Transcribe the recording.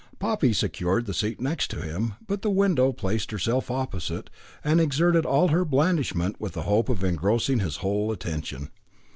Poppy secured the seat next him, but the widow placed herself opposite, and exerted all her blandishment with the hope of engrossing his whole attention.